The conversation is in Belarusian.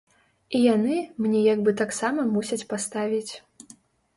І яны мне як бы таксама мусяць паставіць.